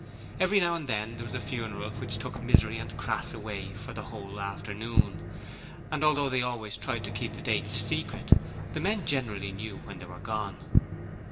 Every now and then there was a funeral which took Misery and Crass away for the whole afternoon, and although they always tried to keep the dates secret, the men generally knew when they were gone.